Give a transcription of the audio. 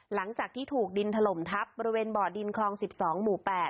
หลังจากที่ถูกดินถล่มทับบริเวณบ่อดินคลอง๑๒หมู่๘